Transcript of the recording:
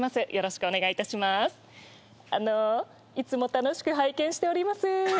あのいつも楽しく拝見しております。